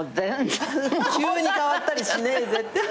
急に変わったりしねえぜ。